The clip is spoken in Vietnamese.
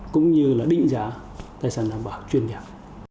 cũng như là định giá tài sản đảm bảo chuyên nhập